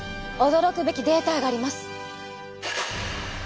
驚くべきデータがあります。